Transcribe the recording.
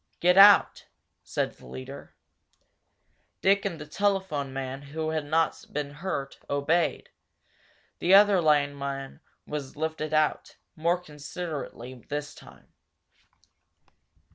"Get out," said the leader. Dick and the telephone man who had not been hurt obeyed, the other lineman was lifted out, more considerately this time.